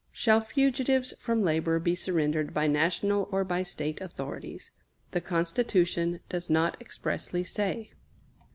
Shall fugitives from labor be surrendered by National or by State authorities? The Constitution does not expressly say.